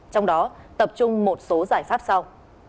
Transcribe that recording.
trong đó tập trung một số giải pháp sau